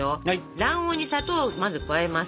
卵黄に砂糖をまず加えます。